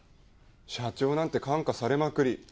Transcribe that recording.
社長なんて感化されまくり。